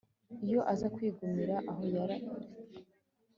Iyo aza kwigumira aho yari ari